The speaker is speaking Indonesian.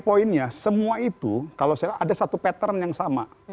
poinnya semua itu kalau saya lihat ada satu pattern yang sama